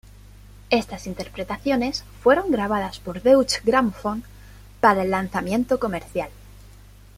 Estas interpretaciones fueron grabadas por Deutsche Grammophon para el lanzamiento comercial.